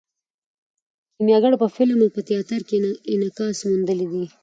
کیمیاګر په فلم او تیاتر کې انعکاس موندلی دی.